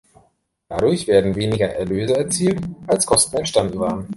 Dadurch werden weniger Erlöse erzielt als Kosten entstanden waren.